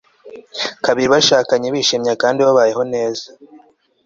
babiri bashakanye bishimye kandi babayeho neza